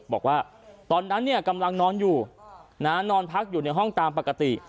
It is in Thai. บอกว่าตอนนั้นเนี่ยกำลังนอนอยู่นอนพักอยู่ในห้องตามปกติ